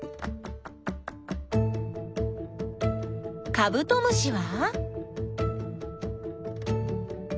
カブトムシは？